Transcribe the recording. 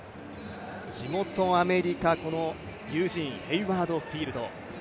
地元アメリカ、ユージーン、ヘイワード・フィールド。